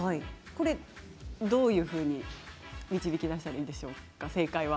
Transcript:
どういうふうに導き出したらいいでしょうか正解は。